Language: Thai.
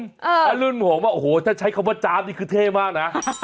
ถ้ารุ่นผมโอ้โหถ้าใช้คำว่าจ๊าบนี่คือเท่มากนะ